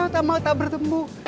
tak mau tak bertemu